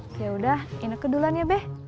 yaudah ini kedulannya be